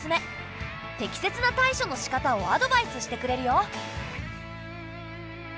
適切な対処のしかたをアドバイスしてくれるよ。